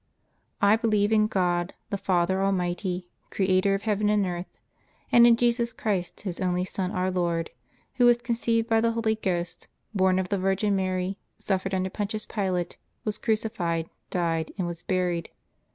I believe in God, the Father Almighty, Creator of heaven and earth; and in Jesus Christ, His only Son, our Lord; who was conceived by the Holy Ghost, born of the Virgin Mary, suffered under Pontius Pilate, was crucified; died, and was buried.